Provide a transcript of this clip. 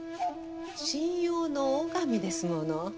信用の尾上ですもの。